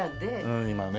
今ね。